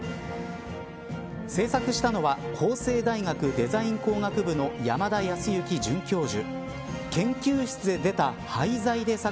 制作したのは法政大学デザイン工学部の山田泰之准教授。